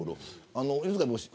犬塚弁護士。